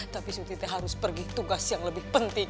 tapi surti teh harus pergi tugas yang lebih penting